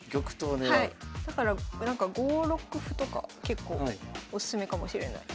だからなんか５六歩とか結構おすすめかもしれない。